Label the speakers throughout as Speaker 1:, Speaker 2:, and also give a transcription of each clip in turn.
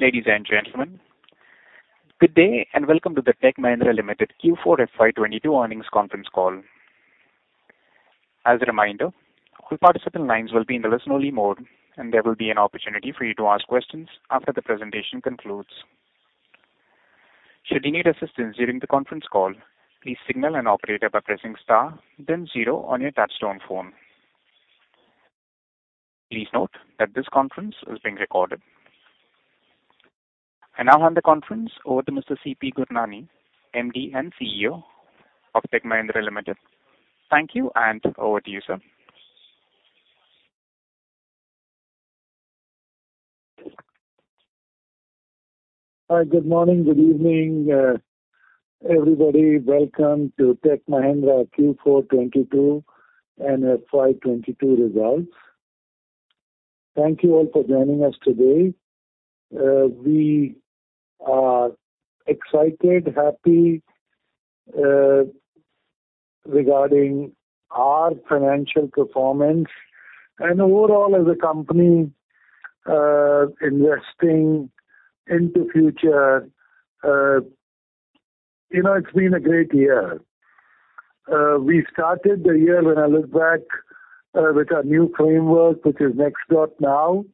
Speaker 1: Ladies and gentlemen, good day, and welcome to the Tech Mahindra Limited Q4 FY 2022 Earnings Conference Call. As a reminder, all participant lines will be in listen only mode, and there will be an opportunity for you to ask questions after the presentation concludes. Should you need assistance during the conference call, please signal an operator by pressing star then zero on your touchtone phone. Please note that this conference is being recorded. I now hand the conference over to Mr. C.P. Gurnani, MD and CEO of Tech Mahindra Limited. Thank you, and over to you, sir.
Speaker 2: Hi, good morning, good evening, everybody. Welcome to Tech Mahindra Q4 2022 and FY 2022 results. Thank you all for joining us today. We are excited, happy, regarding our financial performance and overall as a company, investing into future. You know, it's been a great year. We started the year, when I look back, with our new framework, which is NXT.NOW.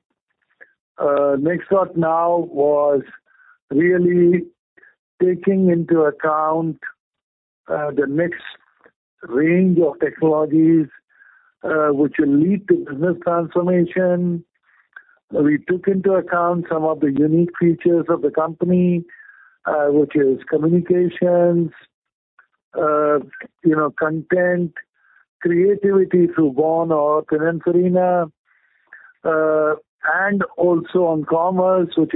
Speaker 2: NXT.NOW was really taking into account, the next range of technologies, which will lead to business transformation. We took into account some of the unique features of the company, which is communications, you know, content, creativity through BORN or Pininfarina, and also on commerce, which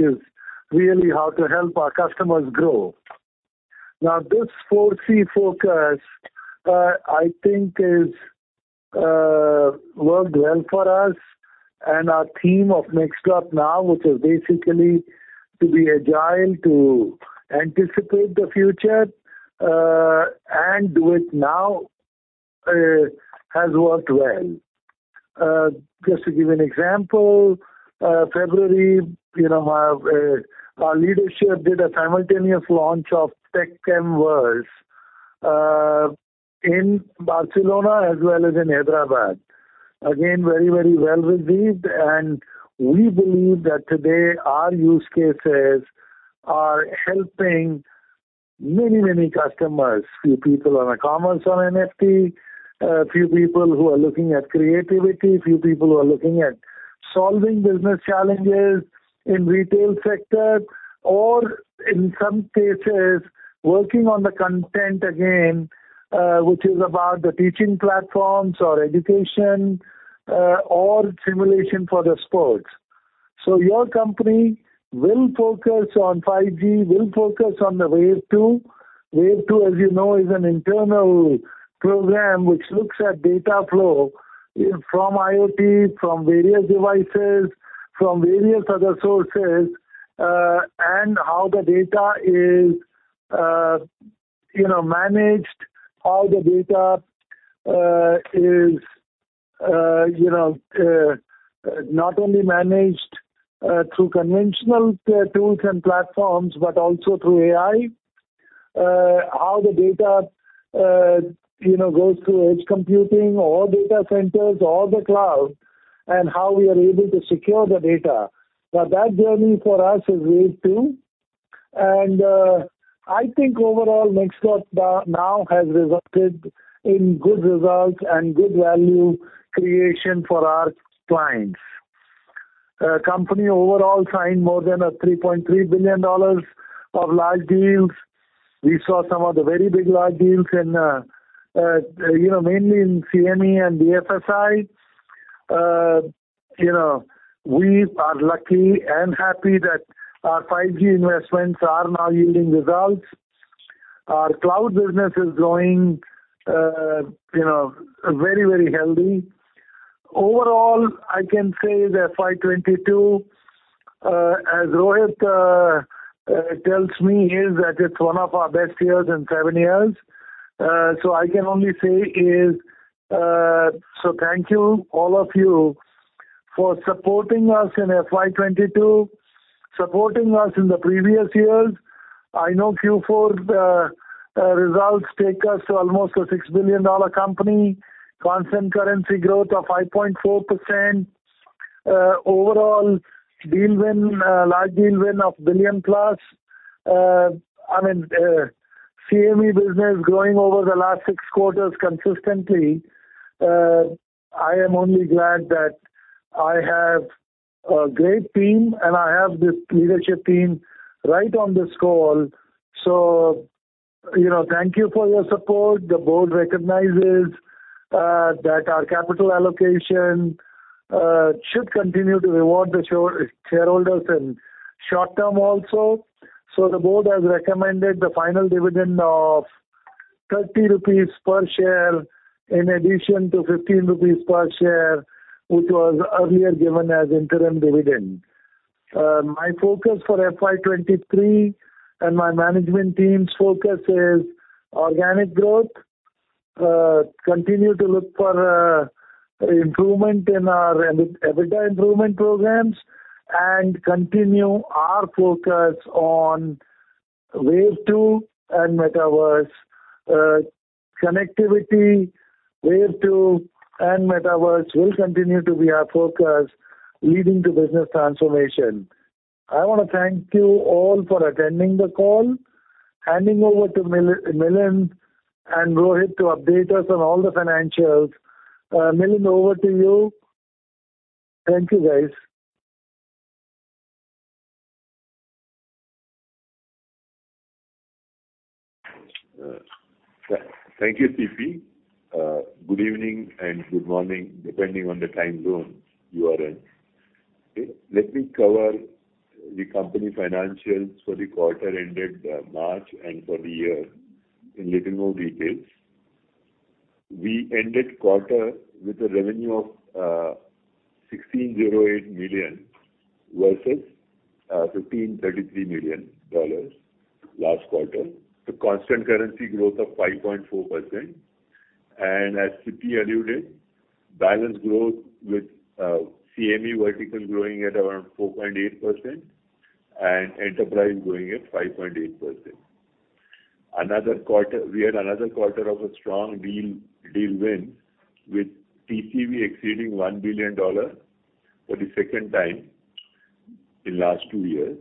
Speaker 2: is really how to help our customers grow. Now, this four C focus, I think is worked well for us and our team of NXT.NOW, which is basically to be agile, to anticipate the future, and do it now, has worked well. Just to give an example, February, you know, our leadership did a simultaneous launch of TechMVerse in Barcelona as well as in Hyderabad. Again, very, very well received, and we believe that today our use cases are helping many, many customers. Few people on e-commerce on NFT, a few people who are looking at creativity, few people who are looking at solving business challenges in retail sector or in some cases working on the content again, which is about the teaching platforms or education, or simulation for the sports. Our company will focus on 5G, will focus on the Wave 2. Wave 2, as you know, is an internal program which looks at data flow from IoT, from various devices, from various other sources, and how the data is, you know, managed, how the data is, you know, not only managed through conventional tools and platforms, but also through AI. How the data, you know, goes through edge computing or data centers or the cloud, and how we are able to secure the data. Now, that journey for us is Wave 2. I think overall NXT.NOW has resulted in good results and good value creation for our clients. Company overall signed more than $3.3 billion dollars of large deals. We saw some of the very big large deals mainly in CME and BFSI. You know, we are lucky and happy that our 5G investments are now yielding results. Our cloud business is growing, you know, very, very healthy. Overall, I can say that FY 2022, as Rohit tells me, is that it's one of our best years in seven years. I can only say is, thank you all of you for supporting us in FY 2022, supporting us in the previous years. I know Q4 results take us to almost a $6 billion company. Constant currency growth of 5.4%. Overall deal win, large deal win of $1 billion+. I mean, CME business growing over the last six quarters consistently. I am only glad that I have a great team, and I have this leadership team right on this call. You know, thank you for your support. The board recognizes that our capital allocation should continue to reward the shareholders in short term also. The board has recommended the final dividend of 30 rupees per share in addition to 15 rupees per share, which was earlier given as interim dividend. My focus for FY 2023 and my management team's focus is organic growth. Continue to look for improvement in our EBITDA improvement programs and continue our focus on Wave 2 and Metaverse. Connectivity, Wave 2 and Metaverse will continue to be our focus leading to business transformation. I wanna thank you all for attending the call. Handing over to Milind and Rohit to update us on all the financials. Milind, over to you. Thank you, guys.
Speaker 3: Thank you, C.P. Good evening and good morning, depending on the time zone you are in. Let me cover the company financials for the quarter ended March and for the year in little more details. We ended quarter with a revenue of $1,608 million versus $1,533 million last quarter. The constant currency growth of 5.4%. As C.P. alluded, balanced growth with CME vertical growing at around 4.8% and enterprise growing at 5.8%. Another quarter. We had another quarter of a strong deal win with TCV exceeding $1 billion for the second time in last two years.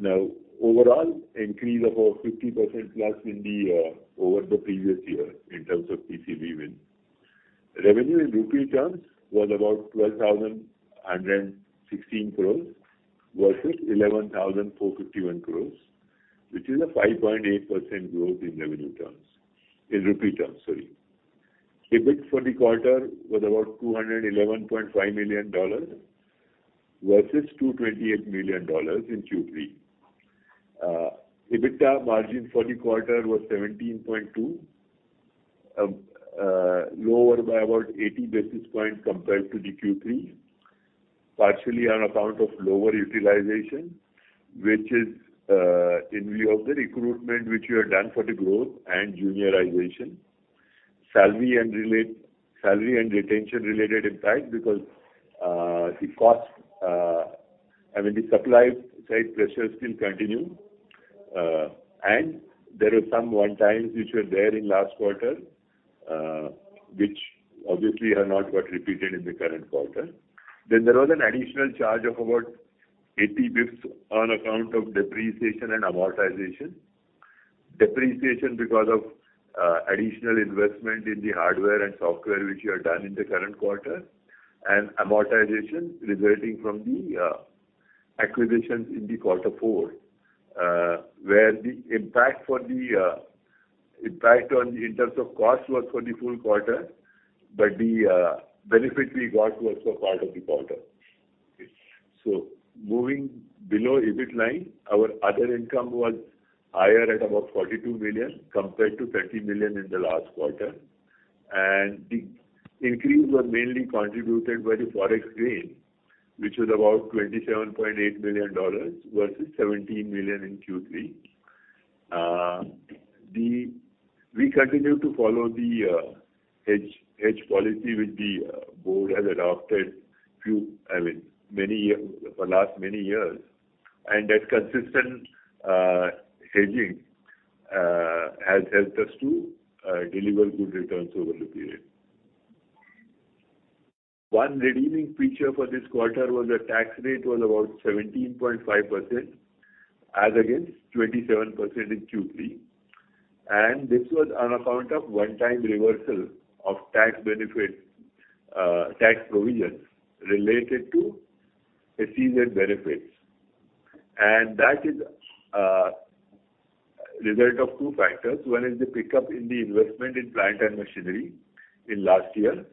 Speaker 3: Now, overall increase of over 50%+ year-over-year in terms of TCV wins. Revenue in rupee terms was about 12,116 crores versus 11,451 crores, which is a 5.8% growth in revenue terms, in rupee terms, sorry. EBIT for the quarter was about $211.5 million versus $228 million in Q3. EBITDA margin for the quarter was 17.2%, lower by about 80 basis points compared to the Q3, partially on account of lower utilization, which is in view of the recruitment which we have done for the growth and juniorization. Salary and retention related impact because, the cost, I mean, the supply side pressures still continue. There are some one-time which were there in last quarter, which obviously have not got repeated in the current quarter. There was an additional charge of about 80 basis points on account of depreciation and amortization. Depreciation because of additional investment in the hardware and software which we have done in the current quarter, and amortization resulting from the acquisitions in quarter four, where the impact, in terms of cost, was for the full quarter, but the benefit we got was for part of the quarter. Moving below EBIT line, our other income was higher at about 42 million compared to 30 million in the last quarter. The increase was mainly contributed by the Forex gains, which was about $27.8 million versus $17 million in Q3. We continue to follow the hedge policy which the board has adopted, I mean, for last many years, and that consistent hedging has helped us to deliver good returns over the period. One redeeming feature for this quarter was the tax rate was about 17.5% as against 27% in Q3, and this was on account of one-time reversal of tax benefit, tax provisions related to SEZ benefits. That is result of two factors. One is the pickup in the investment in plant and machinery in last year,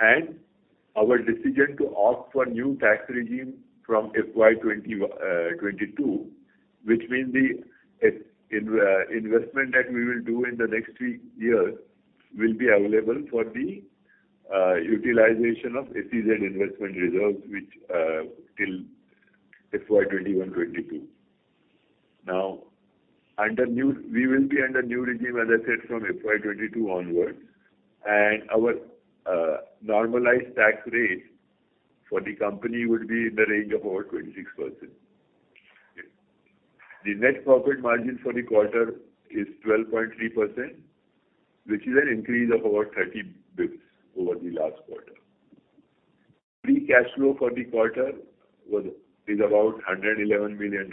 Speaker 3: and our decision to opt for new tax regime from FY 2022, which means the investment that we will do in the next three years will be available for the utilization of SEZ investment reserves, which till FY 2021-2022. Now we will be under new regime, as I said, from FY 2022 onwards, and our normalized tax rate for the company will be in the range of about 26%. The net profit margin for the quarter is 12.3%, which is an increase of about 30 bps over the last quarter. Free cash flow for the quarter is about $111 million,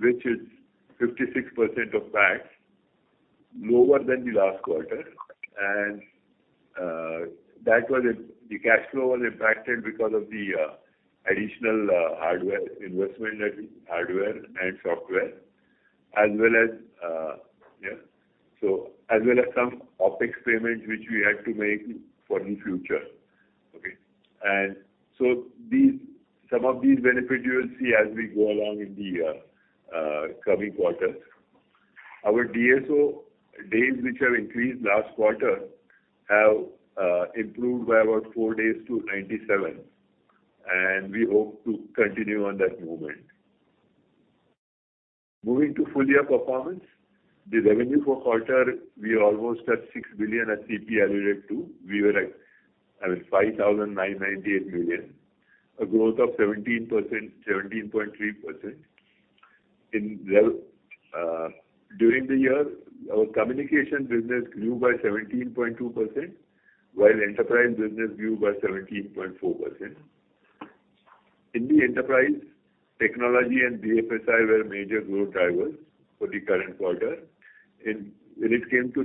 Speaker 3: which is 56% of PAT, lower than the last quarter. That was the cash flow was impacted because of the additional hardware investment in hardware and software, as well as some OpEx payments which we had to make for the future. Okay. Some of these benefits you will see as we go along in the coming quarters. Our DSO days, which have increased last quarter, have improved by about four days to 97, and we hope to continue on that movement. Moving to full year performance. The revenue for quarter, we are almost at $6 billion as C.P. alluded to. We were at, I mean, $5.998 billion, a growth of 17%, 17.3%. During the year, our communication business grew by 17.2%, while enterprise business grew by 17.4%. In the enterprise, technology and BFSI were major growth drivers for the current quarter. When it came to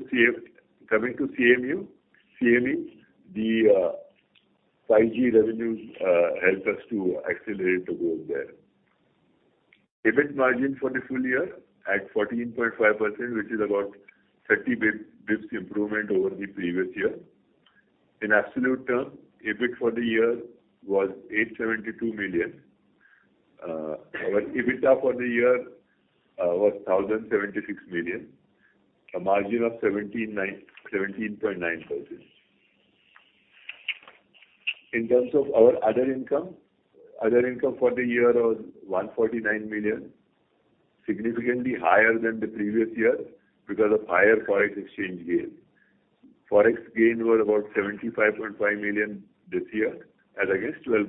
Speaker 3: CME, the 5G revenues helped us to accelerate the growth there. EBIT margin for the full year at 14.5%, which is about 30 basis points improvement over the previous year. In absolute terms, EBIT for the year was $872 million. Our EBITDA for the year was $1,076 million, a margin of 17.9%. In terms of our other income, other income for the year was $149 million, significantly higher than the previous year because of higher Forex exchange gains. Forex gains were about 75.5 million this year, as against 12.6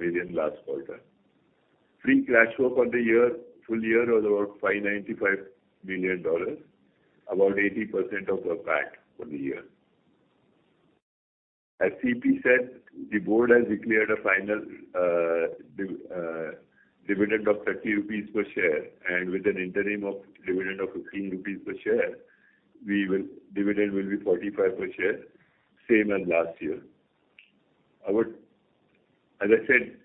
Speaker 3: million last quarter. Free cash flow for the year, full year was about $595 million, about 80% of our PAT for the year. As C.P. said, the board has declared a final dividend of 30 rupees per share, and with an interim dividend of 15 rupees per share, dividend will be 45 per share, same as last year. As I said,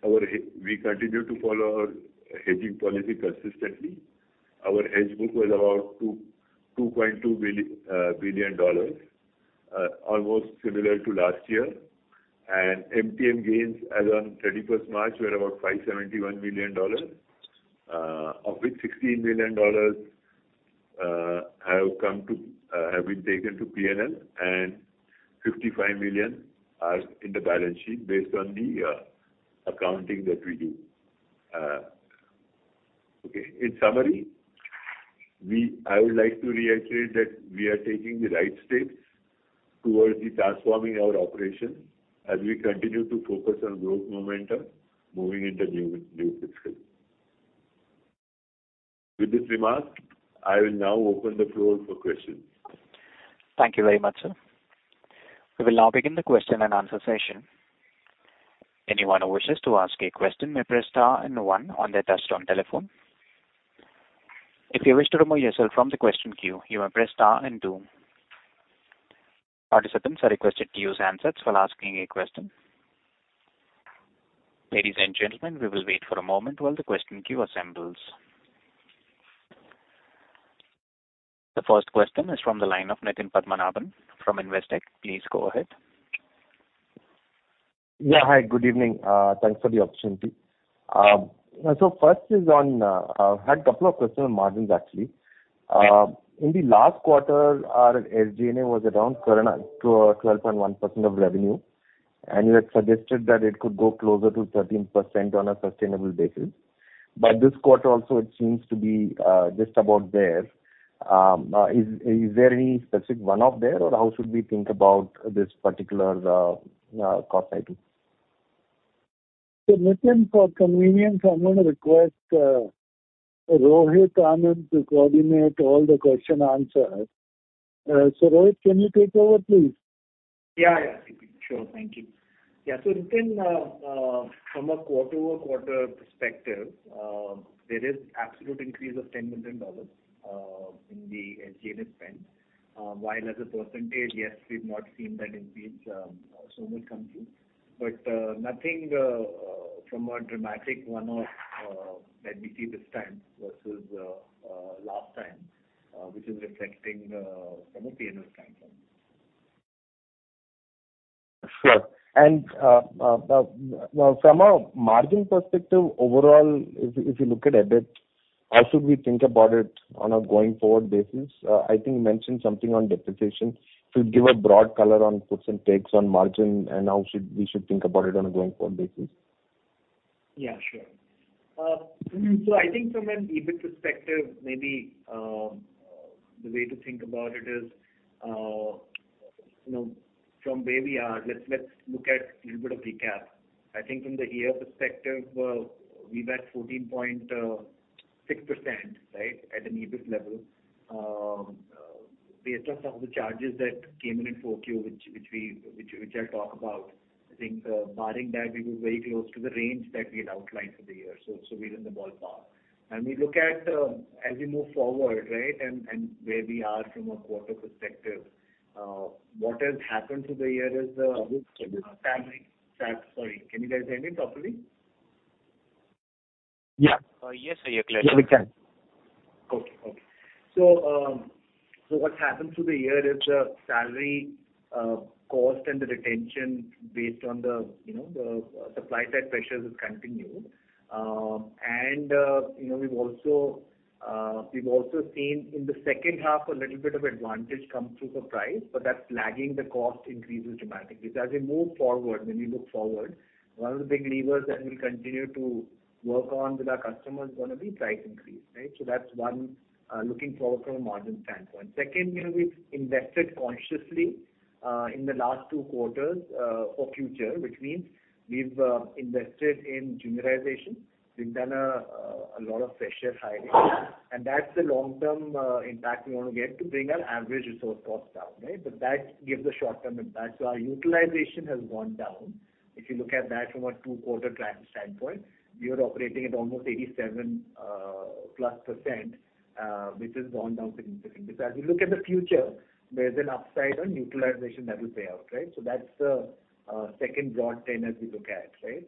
Speaker 3: we continue to follow our hedging policy consistently. Our hedge book was about $2.2 billion, almost similar to last year. MTM gains as on 31st March were about $571 million, of which $16 million have been taken to P&L, and $55 million are in the balance sheet based on the accounting that we do. Okay. In summary, I would like to reiterate that we are taking the right steps towards transforming our operations as we continue to focus on growth momentum moving into new fiscal. With this remark, I will now open the floor for questions.
Speaker 1: Thank you very much, sir. We will now begin the question and answer session. Anyone who wishes to ask a question may press star and one on their touchtone telephone. If you wish to remove yourself from the question queue, you may press star and two. Participants are requested to use handsets while asking a question. Ladies and gentlemen, we will wait for a moment while the question queue assembles. The first question is from the line of Nitin Padmanabhan from Investec. Please go ahead.
Speaker 4: Yeah. Hi, good evening. Thanks for the opportunity. First is on, I had a couple of questions on margins, actually. In the last quarter, our SG&A was around 12.1% of revenue, and you had suggested that it could go closer to 13% on a sustainable basis. This quarter also it seems to be just about there. Is there any specific one-off there, or how should we think about this particular cost item?
Speaker 3: Nitin, for convenience, I'm gonna request Rohit Anand to coordinate all the Q&A. Rohit, can you take over, please?
Speaker 5: Sure. Thank you, Nitin. From a quarter-over-quarter perspective, there is absolute increase of $10 million in the SG&A spend. While as a percentage, yes, we've not seen that increase so much come through. Nothing from a dramatic one-off that we see this time versus last time, which is reflecting from a P&L standpoint.
Speaker 4: Sure. Now from a margin perspective overall, if you look at EBIT, how should we think about it on a going forward basis? I think you mentioned something on depreciation. If you give a broad color on puts and takes on margin, and how should we think about it on a going forward basis?
Speaker 5: Yeah, sure. I think from an EBIT perspective, maybe, the way to think about it is, you know, from where we are, let's look at a little bit of recap. I think from the year perspective, we were at 14.6%, right, at an EBIT level. Based on some of the charges that came in in Q4, which I'll talk about, I think, barring that, we were very close to the range that we had outlined for the year. We're in the ballpark. We look at, as we move forward, right, and where we are from a quarter perspective, what has happened through the year is.
Speaker 4: Rohit, can you-
Speaker 5: Sorry. Can you guys hear me properly?
Speaker 4: Yeah.
Speaker 1: Yes, sir. You're clear.
Speaker 4: Yeah, we can.
Speaker 5: What's happened through the year is the salary cost and the retention based on the, you know, the supply side pressures has continued. We've also seen in the second half a little bit of advantage come through for price, but that's lagging the cost increases dramatically. As we move forward, when we look forward, one of the big levers that we'll continue to work on with our customers is gonna be price increase, right? That's one, looking forward from a margin standpoint. Second, you know, we've invested consciously in the last two quarters for future, which means we've invested in juniorization. We've done a lot of fresher hiring. That's the long-term impact we wanna get to bring our average resource cost down, right? That gives a short-term impact. Our utilization has gone down. If you look at that from a two-quarter track standpoint, we are operating at almost 87%+, which has gone down significantly. As we look at the future, there's an upside on utilization that will pay out, right? That's the second broad trend as we look at, right?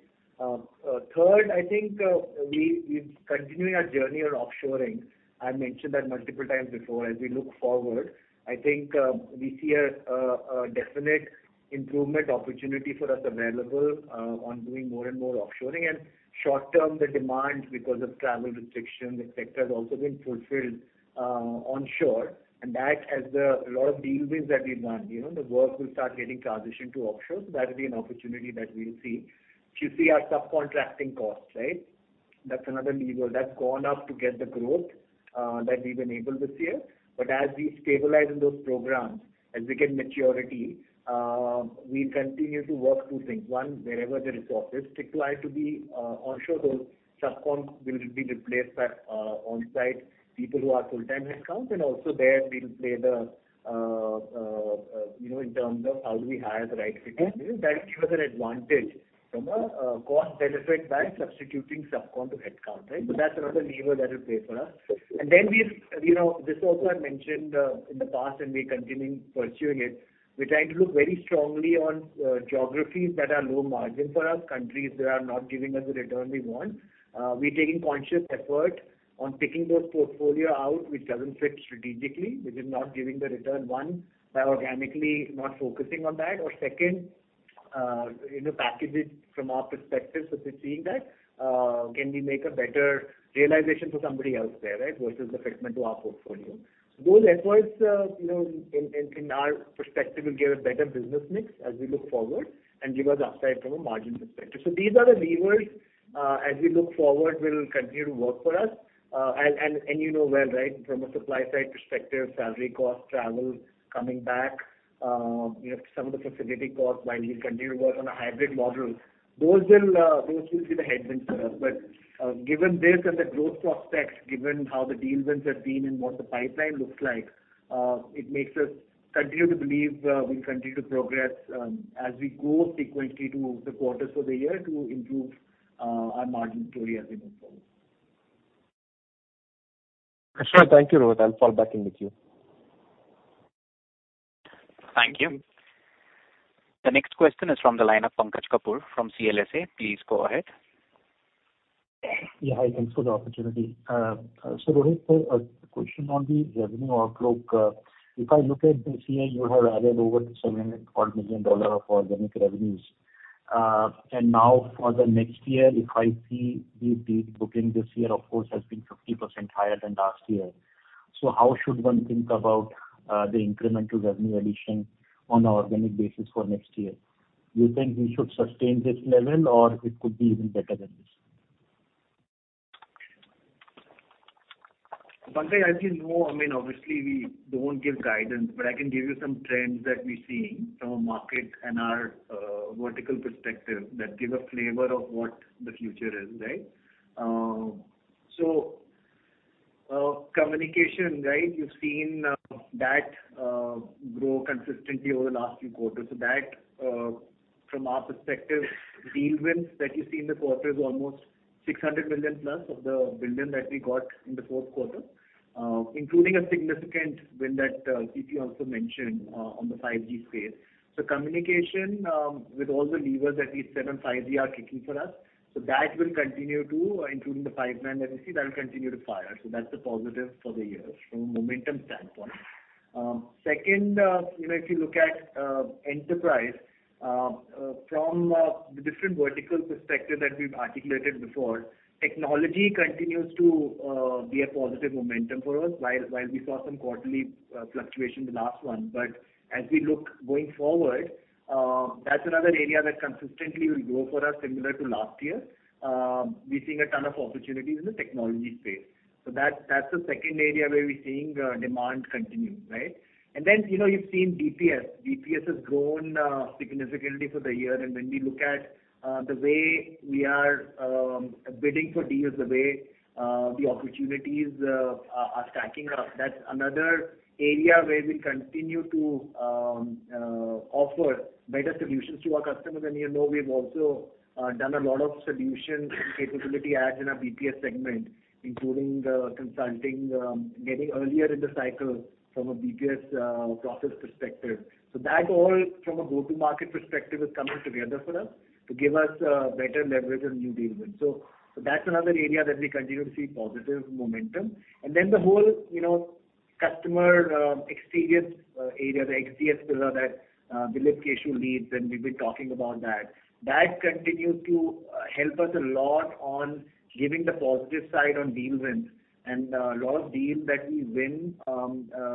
Speaker 5: Third, I think, we're continuing our journey on offshoring. I've mentioned that multiple times before. As we look forward, I think, we see a definite improvement opportunity for us available on doing more and more offshoring. Short term, the demand because of travel restrictions, et cetera, has also been fulfilled onshore. A lot of deal wins that we've done, you know, the work will start getting transitioned to offshore. That'll be an opportunity that we'll see. If you see our subcontracting costs, right? That's another lever. That's gone up to get the growth that we've enabled this year. As we stabilize in those programs, as we get maturity, we continue to work two things. One, wherever there is offices, stick to ITB, onshore those subcon will be replaced by, onsite people who are full-time headcount. Also there we'll play the, you know, in terms of how do we hire the right fit employees. That gives us an advantage from a cost benefit by substituting subcon to headcount, right? That's another lever that will play for us. Then we've, you know, this also I've mentioned, in the past, and we're continuing pursuing it. We're trying to look very strongly on geographies that are low margin for us, countries that are not giving us the return we want. We're taking conscious effort on picking those portfolio out which doesn't fit strategically, which is not giving the return, one, by organically not focusing on that. Or second, you know, package it from our perspective so we're seeing that, can we make a better realization for somebody else there, right? Versus the fitment to our portfolio. Those efforts, you know, in our perspective will give a better business mix as we look forward and give us upside from a margin perspective. So these are the levers, as we look forward will continue to work for us. You know well, right, from a supply side perspective, salary cost, travel coming back, you know, some of the facility costs, while we continue to work on a hybrid model, those will be the headwinds for us. Given this and the growth prospects, given how the deal wins have been and what the pipeline looks like, it makes us continue to believe we'll continue to progress as we go sequentially through the quarters of the year to improve our margin story as we move forward.
Speaker 4: Sure. Thank you, Rohit. I'll fall back in with you.
Speaker 1: Thank you. The next question is from the line of Pankaj Kapoor from CLSA. Please go ahead.
Speaker 6: Yeah. Hi. Thanks for the opportunity. Rohit, a question on the revenue outlook. If I look at this year, you have added over $700 million of organic revenues. Now for the next year, if I see the deal booking this year, of course, has been 50% higher than last year. How should one think about the incremental revenue addition on organic basis for next year? Do you think we should sustain this level or it could be even better than this?
Speaker 5: Pankaj, as you know, I mean, obviously, we don't give guidance, but I can give you some trends that we're seeing from a market and our vertical perspective that give a flavor of what the future is, right? Communication, right, you've seen that grow consistently over the last few quarters. That from our perspective, deal wins that you see in the quarter is almost $600+ million of the $1 billion that we got in the fourth quarter, including a significant win that C.P. also mentioned on the 5G space. Communication with all the levers that we've said on 5G are kicking for us. That will continue to, including the pipeline that we see, that will continue to fire. That's a positive for the year from a momentum standpoint. Second, you know, if you look at enterprise from the different vertical perspective that we've articulated before, technology continues to be a positive momentum for us. While we saw some quarterly fluctuation in the last one. As we look going forward, that's another area that consistently will grow for us similar to last year. We're seeing a ton of opportunities in the technology space. That, that's the second area where we're seeing demand continue, right? Then, you know, you've seen BPS. BPS has grown significantly for the year. When we look at the way we are bidding for deals, the way the opportunities are stacking up, that's another area where we continue to offer better solutions to our customers. You know, we've also done a lot of solution capability adds in our BPS segment, including the consulting, getting earlier in the cycle from a BPS process perspective. That all from a go-to-market perspective is coming together for us to give us better leverage on new deal wins. That's another area that we continue to see positive momentum. The whole, you know, customer experience area, the XDS pillar that Dilip Keshu leads, and we've been talking about that. That continues to help us a lot on giving the positive side on deal wins. A lot of deals that we win,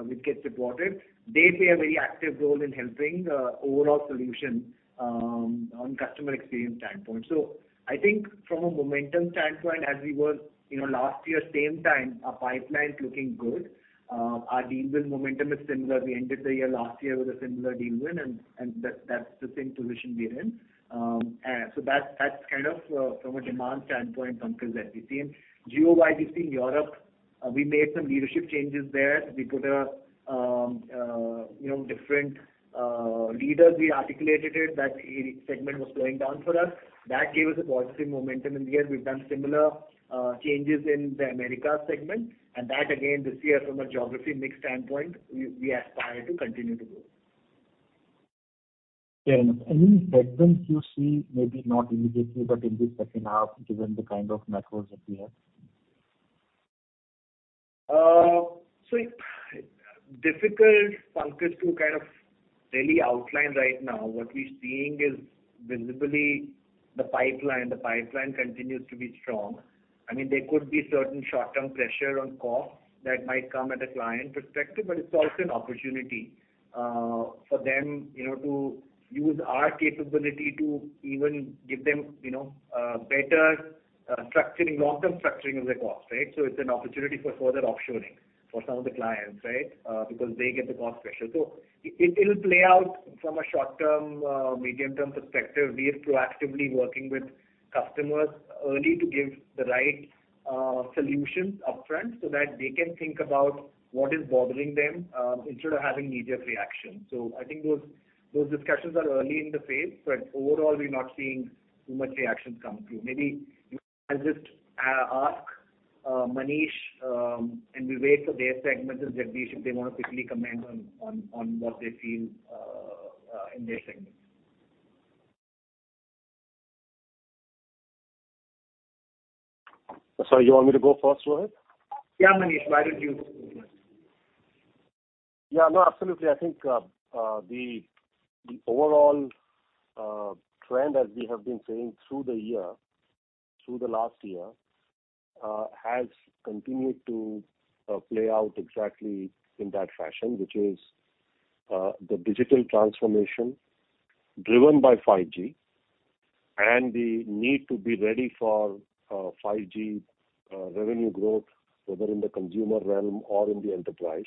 Speaker 5: which gets supported, they play a very active role in helping overall solution on customer experience standpoint. I think from a momentum standpoint, as we were, you know, last year, same time, our pipeline's looking good. Our deal win momentum is similar. We ended the year last year with a similar deal win and that's the same position we're in. That's kind of from a demand standpoint, Pankaj, that we see. Geo-wise, we see Europe, we made some leadership changes there. We put a, you know, different leaders. We articulated it that a segment was going down for us. That gave us a positive momentum. Again, we've done similar changes in the Americas segment. That again, this year from a geography mix standpoint, we aspire to continue to grow.
Speaker 6: Yeah. Any headwinds you see, maybe not immediately, but in the second half, given the kind of macros that we have?
Speaker 5: It's difficult, Pankaj, to kind of really outline right now. What we're seeing is visibly the pipeline. The pipeline continues to be strong. I mean, there could be certain short-term pressure on costs that might come at a client perspective, but it's also an opportunity for them, you know, to use our capability to even give them, you know, a better structuring, long-term structuring of their cost, right? It's an opportunity for further offshoring for some of the clients, right, because they get the cost pressure. It'll play out from a short-term medium-term perspective. We are proactively working with customers early to give the right solutions upfront so that they can think about what is bothering them instead of having knee-jerk reaction. I think those discussions are early in the phase, but overall we're not seeing too much reactions come through. Maybe I'll just ask Manish and Vivek if they wanna quickly comment on what they feel in their segment.
Speaker 7: Sorry, you want me to go first, Rohit?
Speaker 5: Yeah, Manish, why don't you?
Speaker 7: Yeah, no, absolutely. I think the overall trend as we have been saying through the year, through the last year, has continued to play out exactly in that fashion. Which is the digital transformation driven by 5G and the need to be ready for 5G revenue growth, whether in the consumer realm or in the enterprise.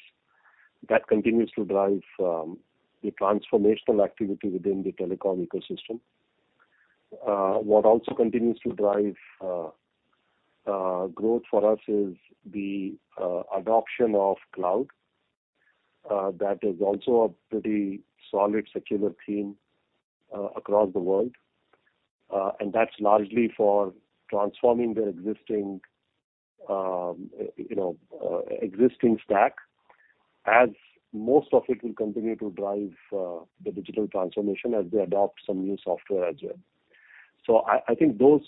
Speaker 7: That continues to drive the transformational activity within the telecom ecosystem. What also continues to drive growth for us is the adoption of cloud. That is also a pretty solid secular theme across the world. That's largely for transforming their existing stack, you know, as most of it will continue to drive the digital transformation as they adopt some new software as well. I think those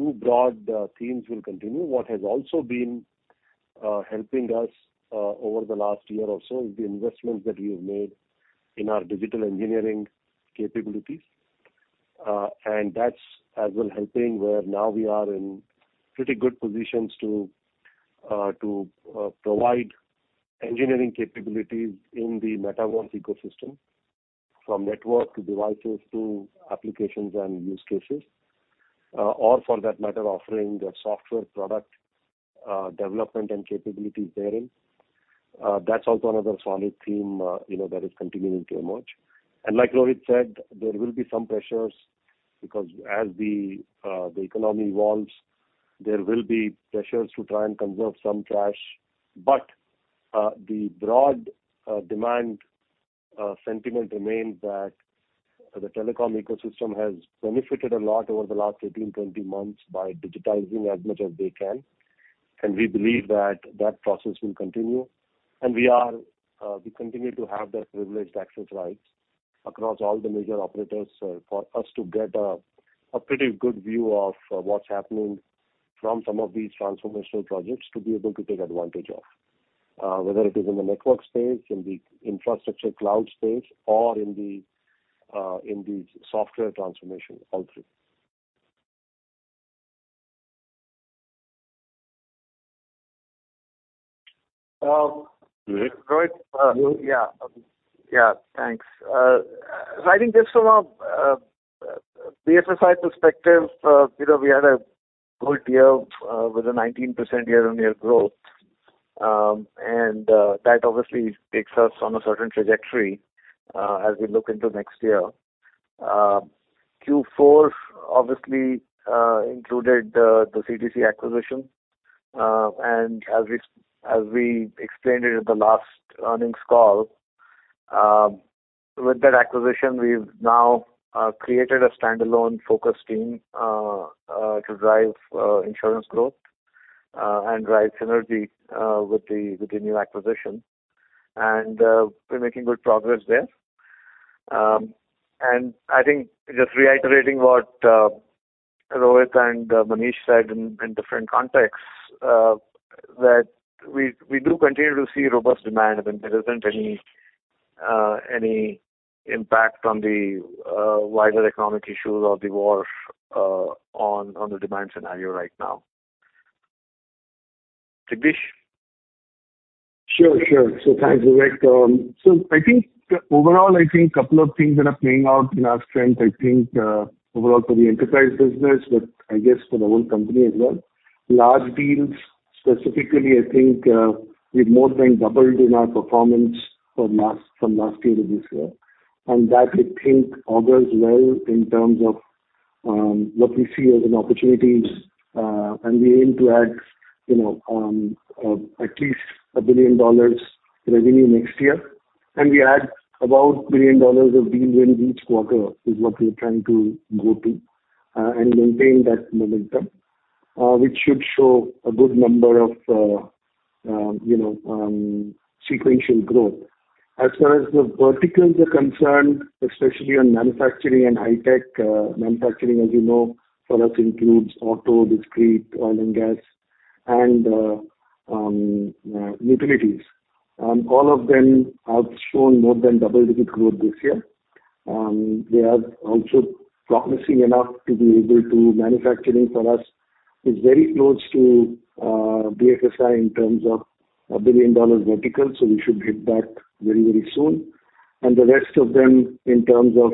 Speaker 7: two broad themes will continue. What has also been helping us over the last year or so is the investments that we have made in our digital engineering capabilities. That's as well helping where now we are in pretty good positions to provide engineering capabilities in the Metaverse ecosystem, from network to devices to applications and use cases. Or for that matter, offering the software product development and capabilities therein. That's also another solid theme, you know, that is continuing to emerge. Like Rohit said, there will be some pressures because as the economy evolves, there will be pressures to try and conserve some cash. The broad demand sentiment remains that the telecom ecosystem has benefited a lot over the last 18-20 months by digitizing as much as they can. We believe that process will continue. We continue to have that privileged access rights across all the major operators for us to get a pretty good view of what's happening from some of these transformational projects to be able to take advantage of. Whether it is in the network space, in the infrastructure cloud space, or in the software transformation all through.
Speaker 8: Um-
Speaker 7: Vivek.
Speaker 8: Rohit.
Speaker 7: Vivek.
Speaker 8: Yeah. Thanks. So I think just from a BFSI perspective, you know, we had a good year with a 19% year-on-year growth. That obviously takes us on a certain trajectory as we look into next year. Q4 obviously included the CTC acquisition. As we explained it at the last earnings call, with that acquisition, we've now created a standalone focus team to drive insurance growth and drive synergy with the new acquisition. We're making good progress there. I think just reiterating what Rohit and Manish said in different contexts that we do continue to see robust demand. I mean, there isn't any impact on the wider economic issues or the war on the demand scenario right now. Jagdish?
Speaker 9: Sure. Thanks, Vivek. I think overall, I think couple of things that are playing out in our strength, I think overall for the enterprise business, but I guess for the whole company as well. Large deals, specifically I think, we've more than doubled in our performance from last year to this year. That I think augurs well in terms of what we see as an opportunities, and we aim to add, you know, at least $1 billion revenue next year. We add about $1 billion of deals in each quarter is what we're trying to go to, and maintain that momentum, which should show a good number of sequential growth. As far as the verticals are concerned, especially on manufacturing and high-tech, manufacturing, as you know, for us includes auto, discrete, oil and gas and utilities. All of them have shown more than double-digit growth this year. They are also promising enough to be able to. Manufacturing for us is very close to BFSI in terms of a billion-dollar vertical, so we should hit that very, very soon. The rest of them in terms of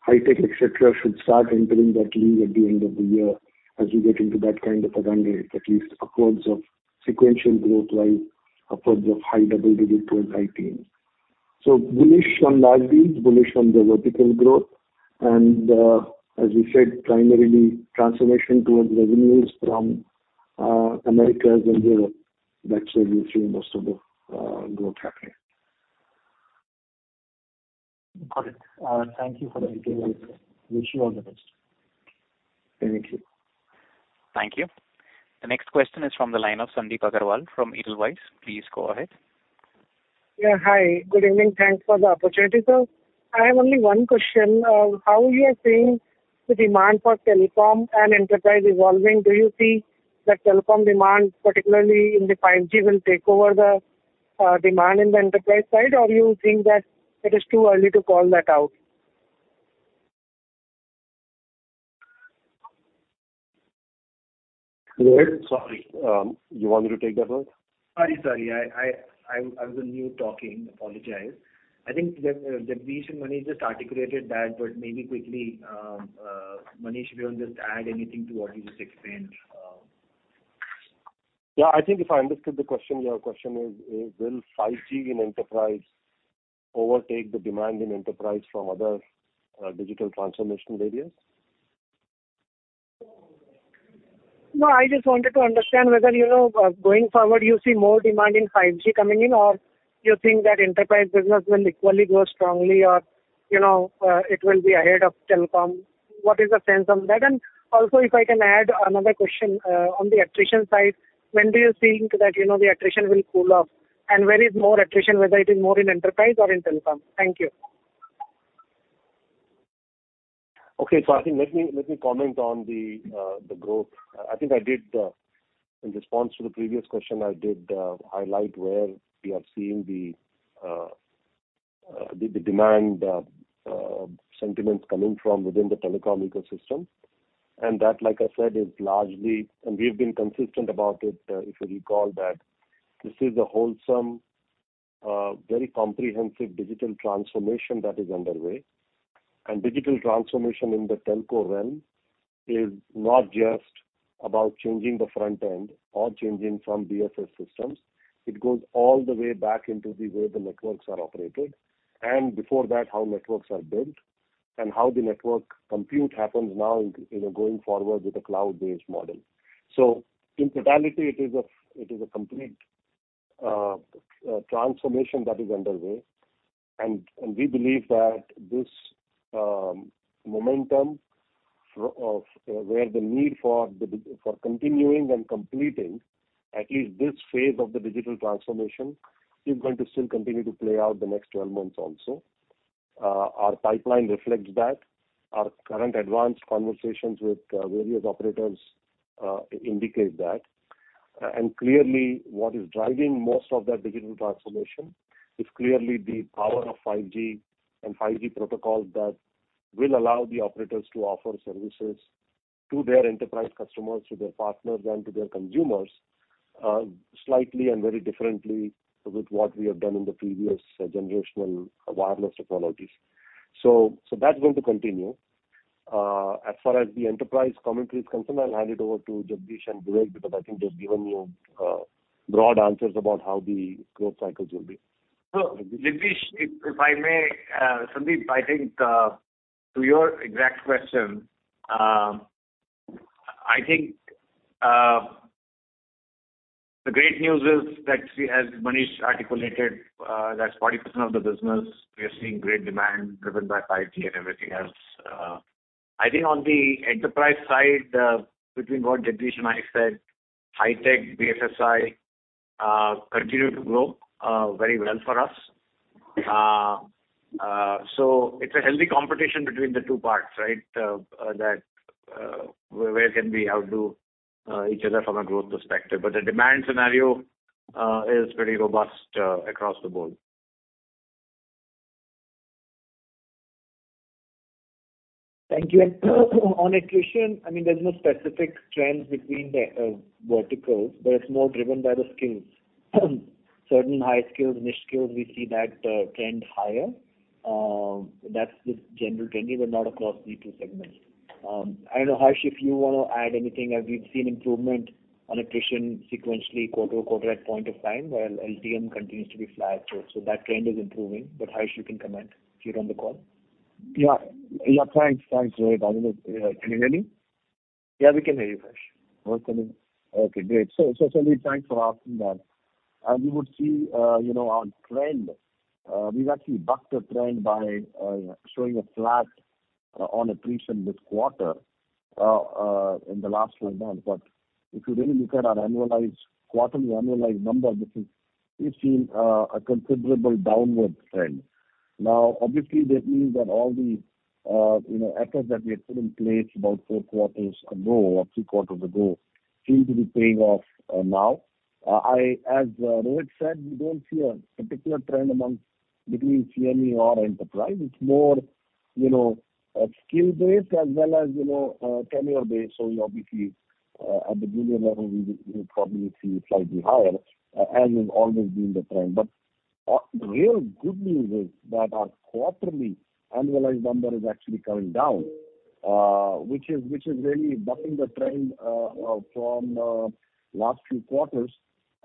Speaker 9: high-tech, et cetera, should start entering that league at the end of the year as we get into that kind of a run rate, at least upwards of sequential growth rate, upwards of high double-digit growth high-tech. Bullish on large deals, bullish on the vertical growth and, as we said, primarily transformation towards revenues from Americas and Europe. That's where we've seen most of the growth happening.
Speaker 6: Got it. Thank you for that detail. Wish you all the best.
Speaker 9: Thank you.
Speaker 1: Thank you. The next question is from the line of Sandip Agarwal from Edelweiss. Please go ahead.
Speaker 10: Yeah. Hi. Good evening. Thanks for the opportunity, sir. I have only one question. How you are seeing the demand for telecom and enterprise evolving? Do you see that telecom demand, particularly in the 5G, will take over the demand in the enterprise side? Or you think that it is too early to call that out?
Speaker 7: Rohit, sorry. You want me to take that one?
Speaker 5: Sorry. I was on mute talking. Apologize. I think that, Jagdish and Manish just articulated that, but maybe quickly, Manish, if you want to just add anything to what you just explained.
Speaker 7: Yeah. I think if I understood the question, your question is, will 5G in enterprise overtake the demand in enterprise from other digital transformation areas?
Speaker 10: No, I just wanted to understand whether, you know, going forward, you see more demand in 5G coming in or you think that enterprise business will equally grow strongly or, you know, it will be ahead of telecom. What is the sense on that? And also if I can add another question, on the attrition side, when do you think that, you know, the attrition will cool off? And where is more attrition, whether it is more in enterprise or in telecom? Thank you.
Speaker 7: Okay. I think let me comment on the growth. I think I did in response to the previous question, I did highlight where we are seeing the demand sentiments coming from within the telecom ecosystem. That, like I said, is largely, and we've been consistent about it, if you recall that this is a wholesome, very comprehensive digital transformation that is underway. Digital transformation in the telco realm is not just about changing the front end or changing some BSS systems. It goes all the way back into the way the networks are operated, and before that, how networks are built and how the network compute happens now in, you know, going forward with a cloud-based model. In totality, it is a complete transformation that is underway. We believe that this momentum of where the need for continuing and completing at least this phase of the digital transformation is going to still continue to play out the next 12 months also. Our pipeline reflects that. Our current advanced conversations with various operators indicate that. Clearly what is driving most of that digital transformation is clearly the power of 5G and 5G protocols that will allow the operators to offer services to their enterprise customers, to their partners, and to their consumers, slightly and very differently with what we have done in the previous generational wireless technologies. That's going to continue. As far as the enterprise commentary is concerned, I'll hand it over to Jagdish and Vivek because I think they've given you broad answers about how the growth cycles will be.
Speaker 8: Jagdish, if I may, Sandip, I think to your exact question, I think the great news is that we, as Manish articulated, that's 40% of the business. We are seeing great demand driven by 5G and everything else. I think on the enterprise side, between what Jagdish and I said, high-tech, BFSI Continue to grow very well for us. It's a healthy competition between the two parts, right? That, where can we outdo each other from a growth perspective. The demand scenario is pretty robust across the board.
Speaker 5: Thank you. On attrition, I mean, there's no specific trends between the verticals, but it's more driven by the skills. Certain high skills, niche skills, we see that trend higher. That's the general trending, but not across these two segments. I know, Harsh, if you wanna add anything, as we've seen improvement on attrition sequentially quarter-over-quarter at point of time, while LTM continues to be flat. That trend is improving. Harsh, you can comment if you're on the call.
Speaker 11: Yeah. Yeah, thanks. Thanks, Rohit. I don't know. Can you hear me?
Speaker 5: Yeah, we can hear you, Harsh.
Speaker 11: Great. Rohit, thanks for asking that. We would see, you know, our trend. We've actually bucked the trend by showing a flat on attrition this quarter in the last twelve months. If you really look at our annualized quarterly number, which is, we've seen a considerable downward trend. Now, obviously, that means that all the you know, efforts that we had put in place about four quarters ago or three quarters ago seem to be paying off now. As Rohit said, we don't see a particular trend between CME or enterprise. It's more, you know, skill-based as well as, you know, tenure-based. Obviously, at the junior level we probably would see slightly higher, as has always been the trend. The real good news is that our quarterly annualized number is actually coming down, which is really bucking the trend from last few quarters,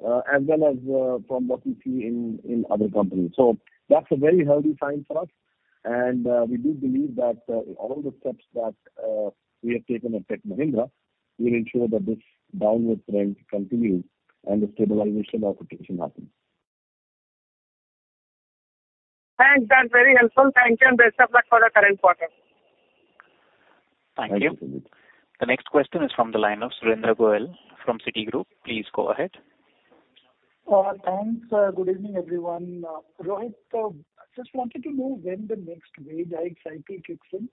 Speaker 11: as well as from what we see in other companies. That's a very healthy sign for us. We do believe that all the steps that we have taken at Tech Mahindra will ensure that this downward trend continues and the stabilization of attrition happens.
Speaker 10: Thanks. That's very helpful. Thank you, and best of luck for the current quarter.
Speaker 5: Thank you.
Speaker 11: Thank you.
Speaker 1: The next question is from the line of Surendra Goyal from Citigroup. Please go ahead.
Speaker 12: Thanks. Good evening, everyone. Rohit, just wanted to know when the next wage hike cycle kicks in.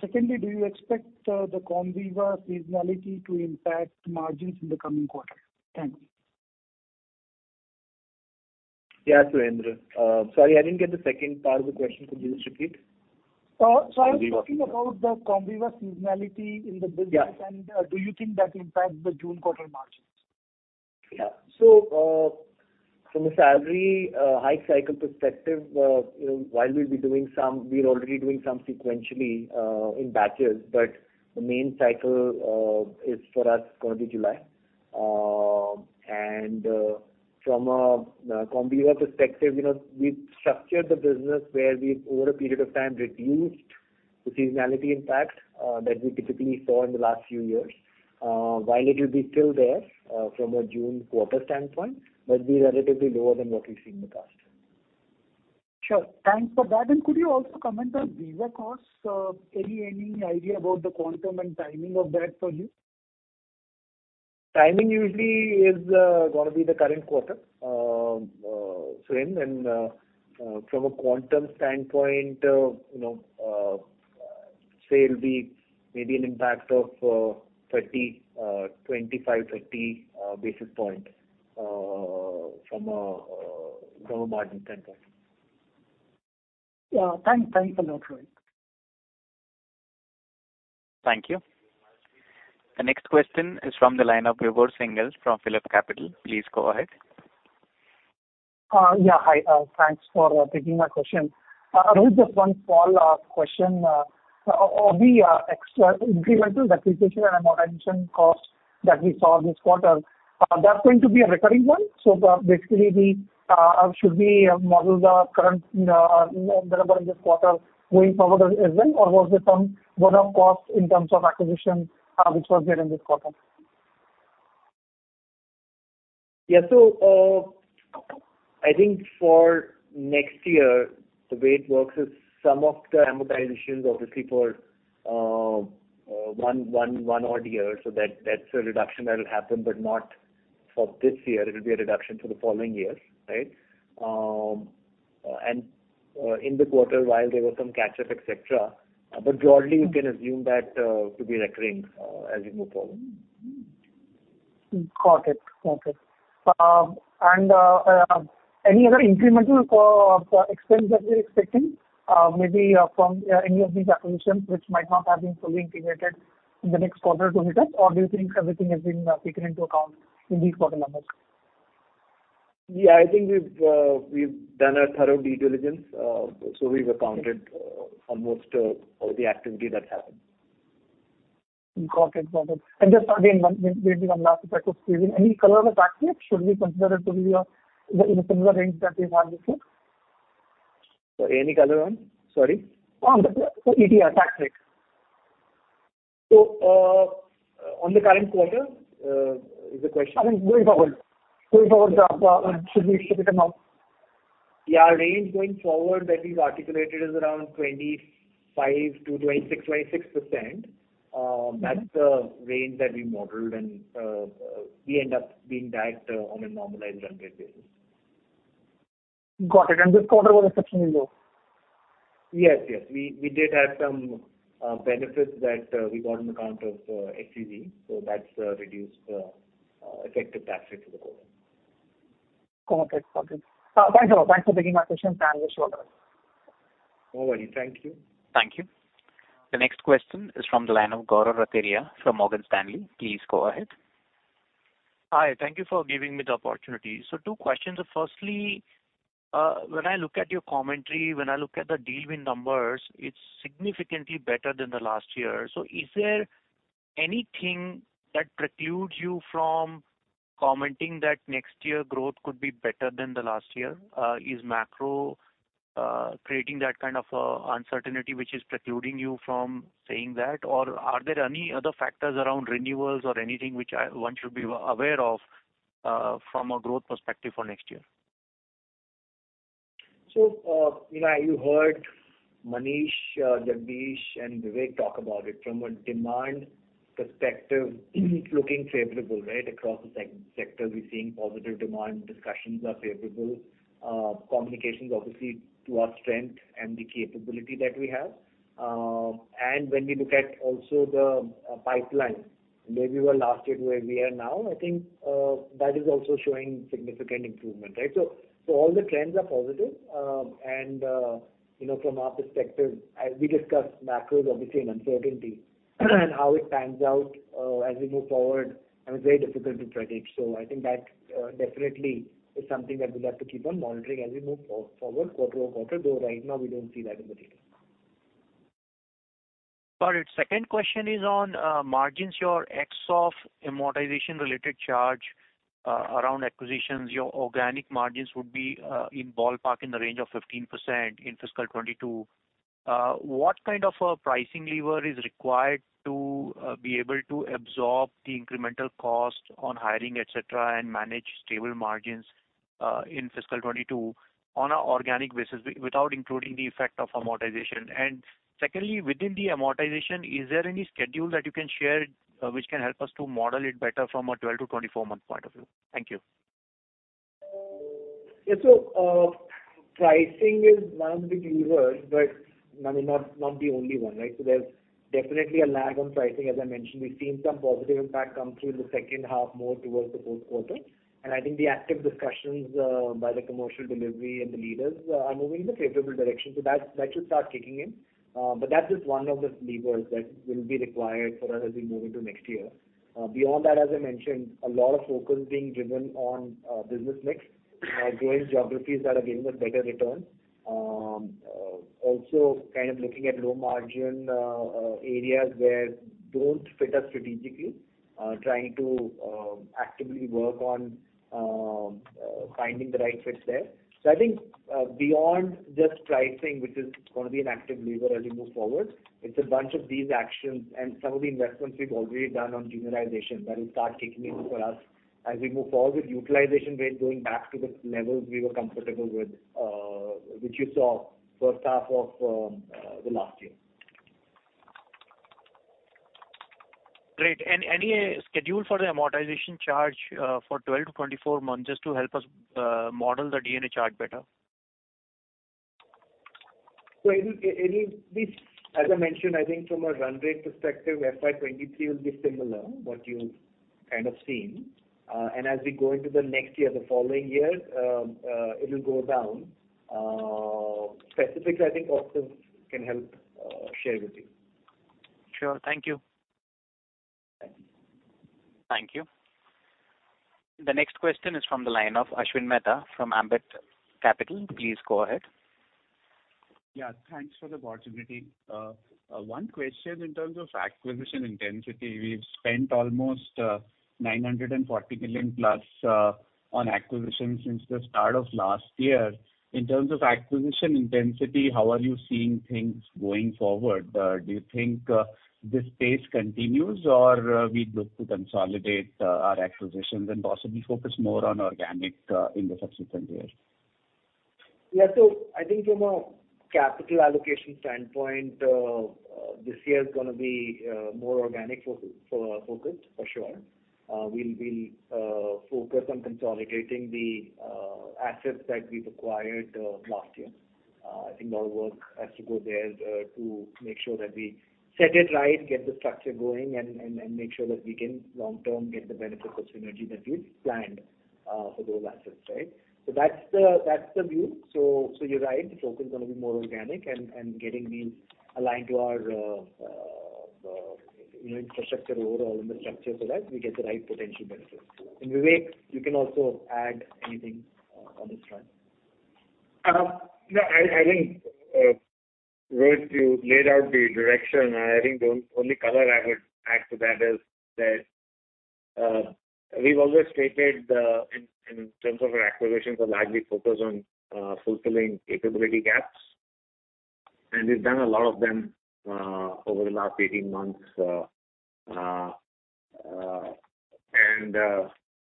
Speaker 12: Secondly, do you expect the Comviva seasonality to impact margins in the coming quarter? Thank you.
Speaker 5: Yeah, Surendra. Sorry, I didn't get the second part of the question. Could you just repeat?
Speaker 12: I was talking about the Comviva seasonality in the business.
Speaker 5: Yeah.
Speaker 12: Do you think that impacts the June quarter margins?
Speaker 5: Yeah. From a salary hike cycle perspective, you know, while we'll be doing some, we're already doing some sequentially in batches, but the main cycle is for us gonna be July. From a Comviva perspective, you know, we've structured the business where we've over a period of time reduced the seasonality impact that we typically saw in the last few years. While it will be still there from a June quarter standpoint, but be relatively lower than what we've seen in the past.
Speaker 12: Sure. Thanks for that. Could you also comment on Visa costs? Any idea about the quantum and timing of that for you?
Speaker 5: Timing usually is gonna be the current quarter frame. From a quantum standpoint, you know, say it'll be maybe an impact of 25-30 basis points from a margin standpoint.
Speaker 12: Yeah. Thanks. Thanks a lot, Rohit.
Speaker 1: Thank you. The next question is from the line of Vibhor Singhal from PhillipCapital. Please go ahead.
Speaker 13: Yeah. Hi, thanks for taking my question. Rohit, just one small question. All the extra incremental acquisition and amortization costs that we saw this quarter, that's going to be a recurring one? So, basically we should model the current number in this quarter going forward as well, or was this one-off costs in terms of acquisition which was made in this quarter?
Speaker 5: Yeah. I think for next year, the way it works is some of the amortizations obviously for one odd year. That's a reduction that'll happen, but not for this year. It'll be a reduction for the following years, right? In the quarter, while there were some catch up, et cetera, but broadly you can assume that to be recurring as you move forward.
Speaker 13: Got it. Any other incremental expense that we're expecting, maybe from any of these acquisitions which might not have been fully integrated in the next quarter to hit us? Or do you think everything has been taken into account in these quarter numbers?
Speaker 5: Yeah. I think we've done a thorough due diligence. We've accounted for most of the activity that's happened.
Speaker 13: Got it. Just again, one, maybe one last if I could squeeze in. Any color on the tax mix? Should we consider it to be in a similar range that we've had this year?
Speaker 5: Sorry, any color on? Sorry.
Speaker 13: On the effective tax mix.
Speaker 5: On the current quarter, is the question?
Speaker 13: I mean, going forward, should we strip it out?
Speaker 5: Yeah, range going forward that we've articulated is around 25%-26%, 26%. That's the range that we modeled and we end up being that on a normalized run rate basis.
Speaker 13: Got it. This quarter was exceptionally low.
Speaker 5: Yes. We did have some benefits that we got on account of SEZ, so that's reduced effective tax rate for the quarter.
Speaker 13: Got it. Thanks a lot. Thanks for taking my questions. I appreciate that.
Speaker 5: No worry. Thank you.
Speaker 1: Thank you. The next question is from the line of Gaurav Rateria from Morgan Stanley. Please go ahead.
Speaker 14: Hi. Thank you for giving me the opportunity. Two questions. Firstly, when I look at your commentary, when I look at the deal win numbers, it's significantly better than the last year. Is there anything that precludes you from commenting that next year growth could be better than the last year? Is macro creating that kind of uncertainty which is precluding you from saying that? Or are there any other factors around renewals or anything which one should be aware of from a growth perspective for next year?
Speaker 5: You know, you heard Manish, Jagdish, and Vivek talk about it. From a demand perspective it's looking favorable, right, across the sector we're seeing positive demand, discussions are favorable. Communications obviously to our strength and the capability that we have. When we look at also the pipeline, where we were last year to where we are now, I think that is also showing significant improvement, right? All the trends are positive. You know, from our perspective, as we discussed, macro is obviously an uncertainty and how it pans out, as we move forward, I mean, it's very difficult to predict. I think that definitely is something that we'll have to keep on monitoring as we move forward quarter on quarter, though right now we don't see that in the data.
Speaker 14: Got it. Second question is on margins. Your ex amortization-related charge around acquisitions, your organic margins would be in ballpark in the range of 15% in fiscal 2022. What kind of a pricing lever is required to be able to absorb the incremental cost on hiring, et cetera, and manage stable margins in fiscal 2022 on a organic basis without including the effect of amortization? And secondly, within the amortization, is there any schedule that you can share, which can help us to model it better from a 12- to 24-month point of view? Thank you.
Speaker 5: Yeah. Pricing is one big lever, but, I mean, not the only one, right? There's definitely a lag on pricing, as I mentioned. We've seen some positive impact come through in the second half, more towards the fourth quarter. I think the active discussions by the commercial delivery and the leaders are moving in a favorable direction. That should start kicking in. That's just one of the levers that will be required for us as we move into next year. Beyond that, as I mentioned, a lot of focus being driven on business mix, growing geographies that are giving us better returns. Also kind of looking at low margin areas where don't fit us strategically. Trying to actively work on finding the right fits there. I think, beyond just pricing, which is gonna be an active lever as we move forward, it's a bunch of these actions and some of the investments we've already done on generalization that will start kicking in for us as we move forward with utilization rates going back to the levels we were comfortable with, which you saw first half of, the last year.
Speaker 14: Great. Any schedule for the amortization charge for 12-24 months just to help us model the D&A chart better?
Speaker 5: It'll be, as I mentioned, I think from a run rate perspective, FY 2023 will be similar, what you've kind of seen. As we go into the next year, the following year, it'll go down. Specifics I think Kaustubh can help share with you.
Speaker 14: Sure. Thank you.
Speaker 1: Thank you. The next question is from the line of Ashwin Mehta from Ambit Capital. Please go ahead.
Speaker 15: Yeah, thanks for the opportunity. One question in terms of acquisition intensity. We've spent almost 940+ million on acquisitions since the start of last year. In terms of acquisition intensity, how are you seeing things going forward? Do you think this pace continues or we look to consolidate our acquisitions and possibly focus more on organic in the subsequent years?
Speaker 5: Yeah. I think from a capital allocation standpoint, this year is gonna be more organic focused for sure. We'll focus on consolidating the assets that we've acquired last year. I think a lot of work has to go there to make sure that we set it right, get the structure going and make sure that we can long-term get the benefits of synergy that we've planned for those assets, right? That's the view. You're right, the focus is gonna be more organic and getting these aligned to our you know, infrastructure overall and the structure so that we get the right potential benefits. Vivek, you can also add anything on this front.
Speaker 8: I think, Rohit, you laid out the direction. I think the only color I would add to that is that we've always stated in terms of our acquisitions, the areas we focus on fulfilling capability gaps. We've done a lot of them over the last 18 months.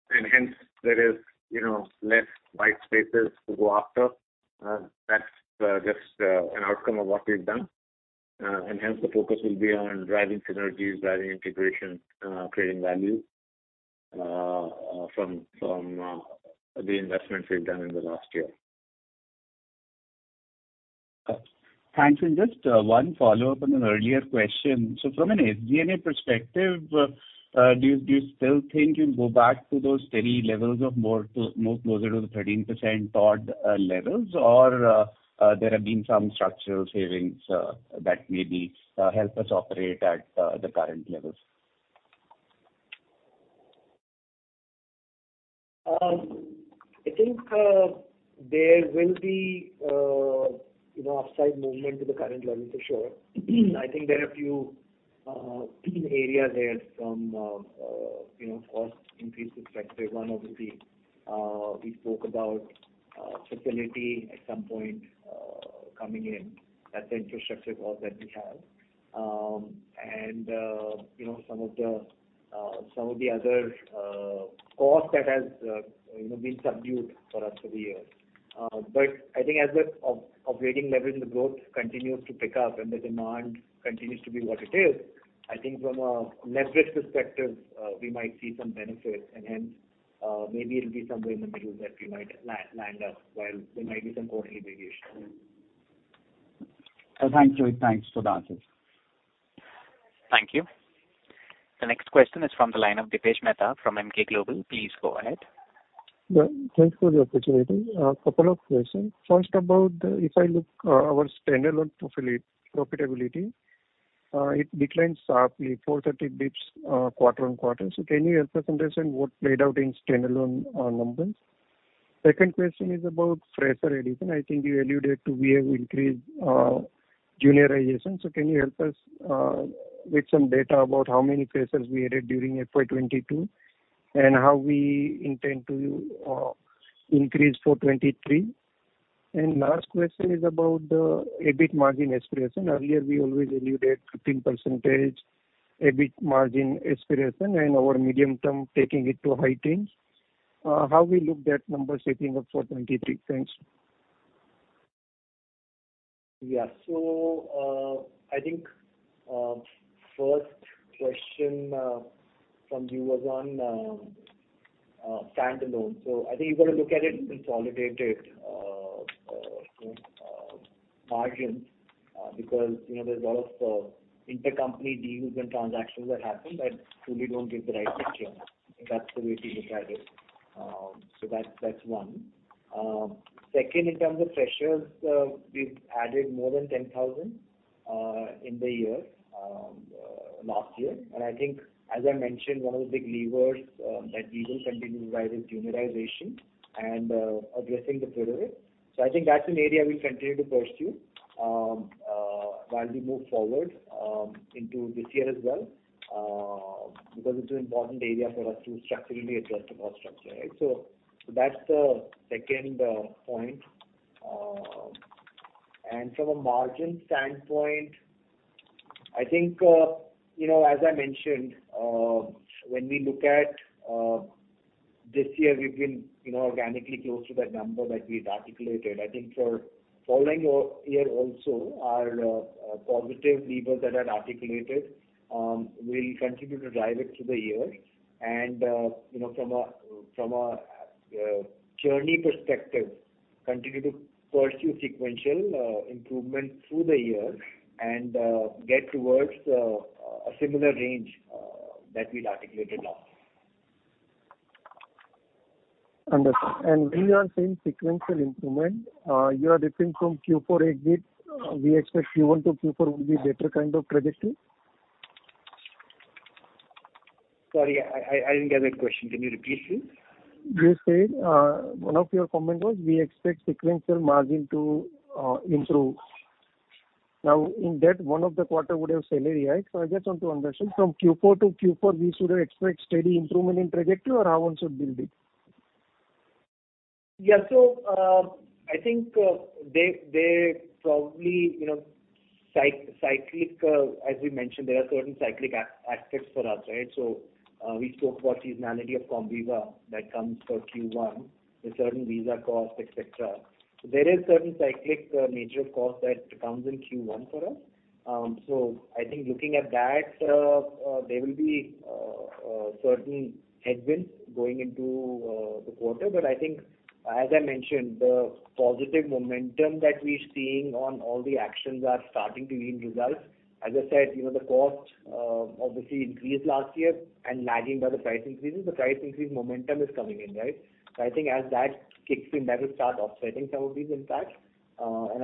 Speaker 8: Hence there is, you know, less white spaces to go after. That's just an outcome of what we've done. Hence the focus will be on driving synergies, driving integration, creating value from the investments we've done in the last year.
Speaker 15: Thanks. Just one follow-up on an earlier question. From an SG&A perspective, do you still think you'll go back to those steady levels of more closer to the 13% TOD levels? Or, there have been some structural savings that maybe help us operate at the current levels?
Speaker 5: I think there will be, you know, upside movement to the current levels for sure. I think there are few key areas therefrom, you know, cost increase perspective. One obviously, we spoke about, facility at some point, coming in. That's the infrastructure cost that we have. You know, some of the other costs that has, you know, been subdued for us for the year. I think as the operating leverage and the growth continues to pick up and the demand continues to be what it is, I think from a leverage perspective, we might see some benefits and hence, maybe it'll be somewhere in the middle that we might land up, while there might be some quarterly variations.
Speaker 15: Thanks, Rohit. Thanks for the answers.
Speaker 1: Thank you. The next question is from the line of Dipesh Mehta from Emkay Global. Please go ahead.
Speaker 16: Thanks for the opportunity. Couple of questions. First, if I look at our standalone profitability, it declined sharply, 430 basis points, quarter-on-quarter. Can you help us understand what played out in standalone numbers? Second question is about fresher addition. I think you alluded to we have increased juniorization. Can you help us with some data about how many freshers we added during FY 2022, and how we intend to increase for 2023? Last question is about the EBIT margin aspiration. Earlier we always alluded 15% EBIT margin aspiration and our medium term taking it to high teens. How we look that number shaping up for 2023? Thanks.
Speaker 5: I think first question from you was on standalone. I think you've got to look at it consolidated margin, because you know, there's a lot of intercompany deals and transactions that happen that truly don't give the right picture. I think that's the way to look at it. That's one. Second, in terms of freshers, we've added more than 10,000 in the year last year. I think as I mentioned, one of the big levers that we will continue to drive is juniorization and addressing the turnover. I think that's an area we'll continue to pursue while we move forward into this year as well, because it's an important area for us to structurally adjust the cost structure, right? That's the second point. From a margin standpoint, I think, you know, as I mentioned, when we look at this year, we've been, you know, organically close to that number that we've articulated. I think for following year also our positive levers that are articulated will continue to drive it through the year. You know, from a journey perspective, continue to pursue sequential improvement through the year and get towards a similar range that we'd articulated last.
Speaker 16: Understood. When you are saying sequential improvement, you are referring to Q4 EBIT. We expect Q1 to Q4 will be better kind of trajectory?
Speaker 5: Sorry, I didn't get that question. Can you repeat please?
Speaker 16: You said, one of your comment was we expect sequential margin to improve. Now, in that one of the quarter would have accelerated. I just want to understand from Q4 to Q4, we should expect steady improvement in trajectory or how one should build it?
Speaker 5: I think they probably, you know, cyclical, as we mentioned, there are certain cyclical aspects for us, right? We spoke about seasonality of Comviva that comes for Q1 with certain visa costs, et cetera. There is certain cyclical nature of cost that comes in Q1 for us. I think looking at that, there will be certain headwinds going into the quarter. I think as I mentioned, the positive momentum that we're seeing on all the actions are starting to yield results. As I said, you know, the cost obviously increased last year and lagging behind the price increases. The price increase momentum is coming in, right? I think as that kicks in, that will start offsetting some of these impacts.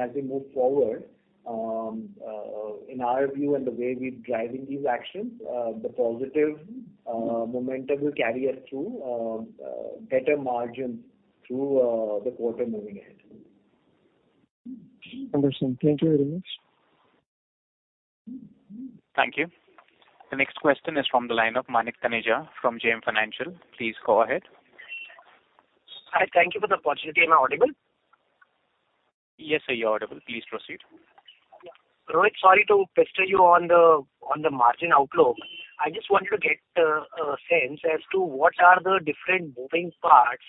Speaker 5: As we move forward, in our view and the way we're driving these actions, the positive momentum will carry us through better margins through the quarter moving ahead.
Speaker 16: Understood. Thank you very much.
Speaker 1: Thank you. The next question is from the line of Manik Taneja from JM Financial. Please go ahead.
Speaker 17: Hi, thank you for the opportunity. Am I audible?
Speaker 1: Yes, sir, you're audible. Please proceed.
Speaker 17: Rohit, sorry to pester you on the margin outlook. I just wanted to get a sense as to what are the different moving parts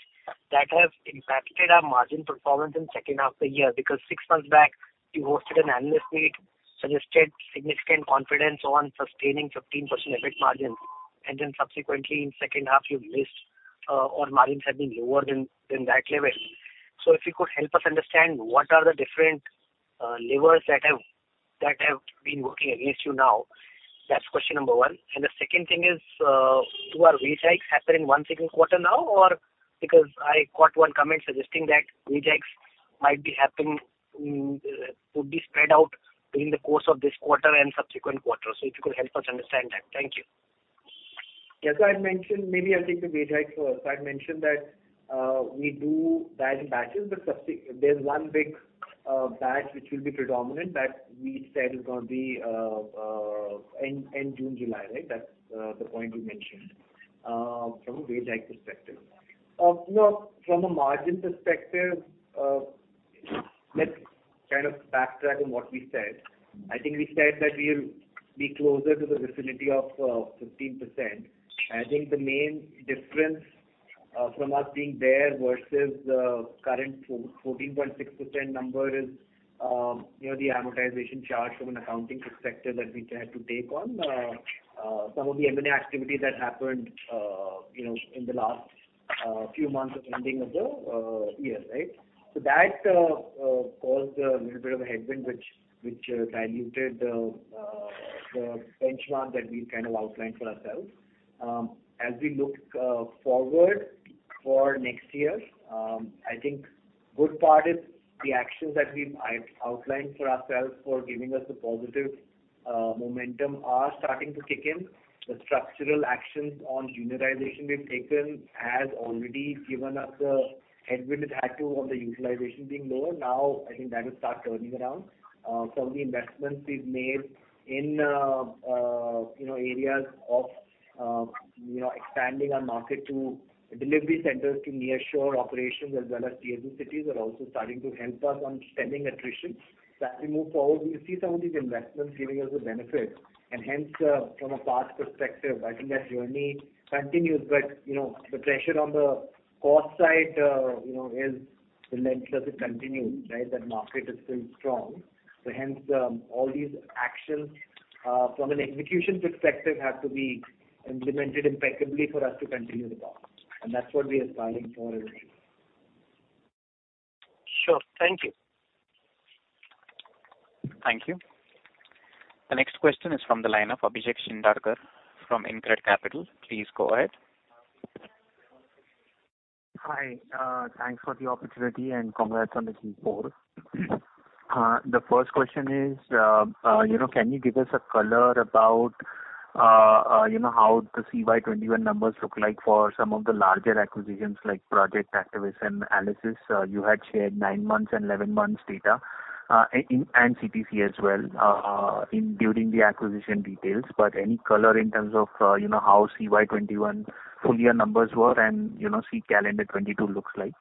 Speaker 17: that have impacted our margin performance in second half of the year. Because six months back, you hosted an analyst meet, suggested significant confidence on sustaining 15% EBIT margin. Subsequently in second half, you've missed or margins have been lower than that level. If you could help us understand what are the different levers that have been working against you now? That's question number one. The second thing is, do our wage hikes happen in Q2 now, or because I caught one comment suggesting that wage hikes might be happening, could be spread out during the course of this quarter and subsequent quarters. If you could help us understand that. Thank you.
Speaker 5: As I had mentioned, maybe I'll take the wage hike first. I had mentioned that we do that in batches, but there's one big batch which will be predominant that we said is going to be end June, July, right? That's the point you mentioned from a wage hike perspective. You know, from a margin perspective, let's kind of backtrack on what we said. I think we said that we'll be closer to the vicinity of 15%. I think the main difference from us being there versus the current 14.6% number is, you know, the amortization charge from an accounting perspective that we had to take on some of the M&A activity that happened, you know, in the last few months of ending of the year, right? That caused a little bit of a headwind which diluted the benchmark that we kind of outlined for ourselves. As we look forward for next year, I think good part is the actions that we've outlined for ourselves for giving us the positive momentum are starting to kick in. The structural actions on utilization we've taken has already given us the headwind it had to on the utilization being lower. Now I think that will start turning around. Some of the investments we've made in, you know, areas of, you know, expanding our market to delivery centers to nearshore operations as well as Tier 2 cities are also starting to help us on stemming attrition. As we move forward, we see some of these investments giving us a benefit and hence, from a path perspective, I think that journey continues. You know, the pressure on the cost side, you know, is relentless. It continues, right? That market is still strong. Hence, all these actions, from an execution perspective have to be implemented impeccably for us to continue the path. That's what we are striving for every day.
Speaker 17: Sure. Thank you.
Speaker 1: Thank you. The next question is from the line of Abhishek Shindadkar from InCred Capital. Please go ahead.
Speaker 18: Hi, thanks for the opportunity and congrats on the Q4. The first question is, you know, can you give us a color about, you know, how the CY 2021 numbers look like for some of the larger acquisitions like Perigord, Activus and Brainscale? You had shared nine months and 11 months data, in and CTC as well, during the acquisition details. But any color in terms of, you know, how CY 2021 full year numbers were and, you know, CY calendar 2022 looks like.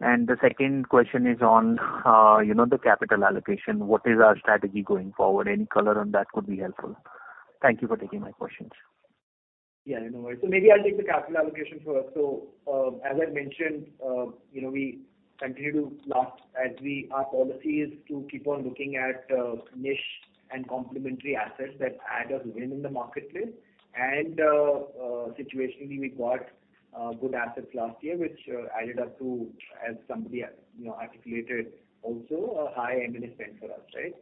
Speaker 18: The second question is on, you know, the capital allocation. What is our strategy going forward? Any color on that could be helpful. Thank you for taking my questions.
Speaker 5: Yeah, no worries. Maybe I'll take the capital allocation first. As I mentioned, you know, our policy is to keep on looking at niche and complementary assets that add a win in the marketplace. Situationally, we got good assets last year, which added up to, as somebody you know articulated also a high M&A spend for us, right?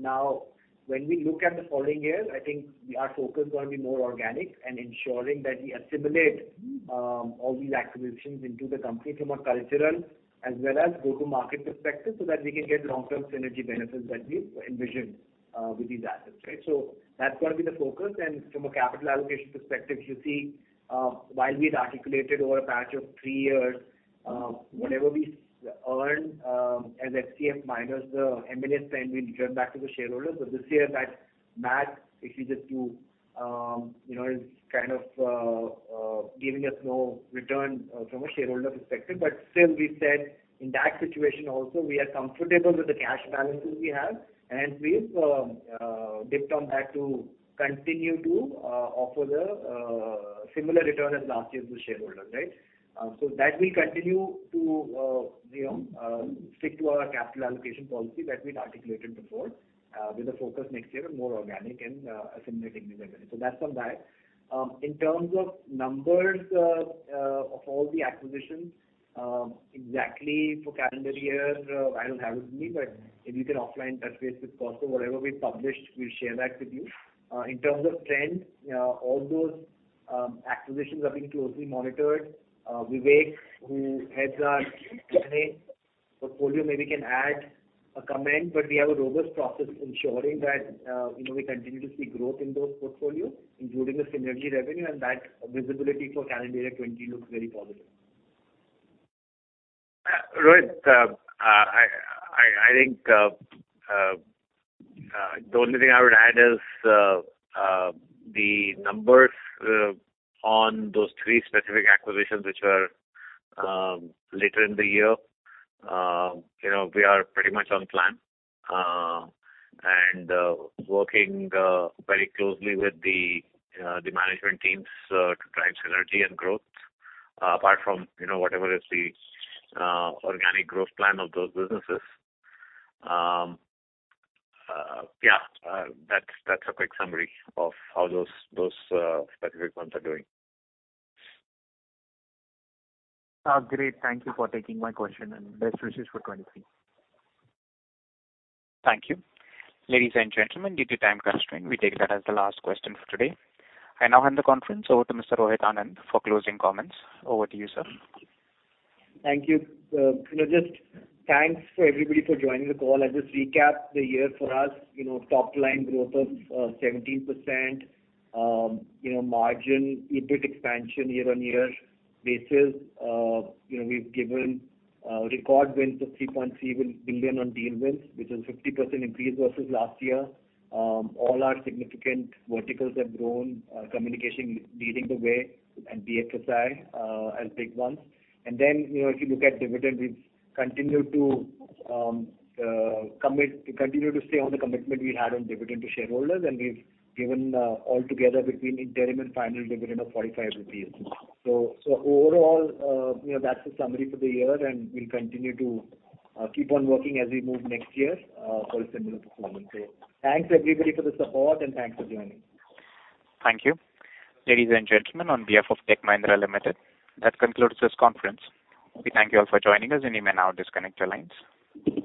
Speaker 5: Now when we look at the following years, I think our focus is gonna be more organic and ensuring that we assimilate all these acquisitions into the company from a cultural as well as go-to-market perspective, so that we can get long-term synergy benefits that we envision with these assets, right? That's gonna be the focus. From a capital allocation perspective, you see, while we've articulated over the past three years, whatever we earn as FCF minus the M&A spend, we return back to the shareholders. This year that math, if you just do, you know, is kind of giving us no return from a shareholder perspective. Still we said in that situation also we are comfortable with the cash balances we have, and we've dipped into that to continue to offer the similar return as last year to shareholders, right? That will continue to, you know, stick to our capital allocation policy that we'd articulated before, with a focus next year on more organic and assimilating revenue. That's on that. In terms of numbers, of all the acquisitions, exactly for calendar year, I don't have it with me, but if you can offline touch base with Kaustubh, whatever we've published, we'll share that with you. In terms of trend, all those acquisitions are being closely monitored. Vivek, who heads our M&A portfolio, maybe can add a comment, but we have a robust process ensuring that, you know, we continue to see growth in those portfolio, including the synergy revenue and that visibility for calendar year 2020 looks very positive.
Speaker 8: Rohit, I think the only thing I would add is the numbers on those three specific acquisitions which are later in the year. You know, we are pretty much on plan and working very closely with the management teams to drive synergy and growth apart from, you know, whatever is the organic growth plan of those businesses. Yeah. That's a quick summary of how those specific ones are doing.
Speaker 18: Great. Thank you for taking my question, and best wishes for 2023.
Speaker 1: Thank you. Ladies and gentlemen, due to time constraint, we take that as the last question for today. I now hand the conference over to Mr. Rohit Anand for closing comments. Over to you, sir.
Speaker 5: Thank you. You know, just thanks for everybody for joining the call. I'll just recap the year for us. You know, top line growth of 17%. You know, margin EBIT expansion year-on-year basis. You know, we've given record wins of $3.7 billion on deal wins, which is 50% increase versus last year. All our significant verticals have grown, communication leading the way and BFSI as big ones. You know, if you look at dividend, we continue to stay on the commitment we had on dividend to shareholders, and we've given altogether between interim and final dividend of 45 rupees. Overall, you know, that's the summary for the year, and we'll continue to keep on working as we move next year for a similar performance here. Thanks everybody for the support and thanks for joining.
Speaker 1: Thank you. Ladies and gentlemen, on behalf of Tech Mahindra Limited, that concludes this conference. We thank you all for joining us, and you may now disconnect your lines.